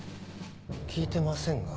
聞いてませんが。